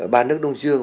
ba nước đông dương